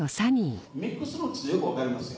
ミックスルーツってよく分かります。